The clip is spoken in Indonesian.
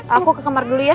aku ke kamar dulu ya